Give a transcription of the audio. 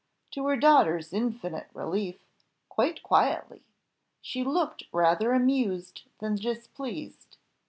To her daughter's infinite relief, quite quietly; she looked rather amused than displeased.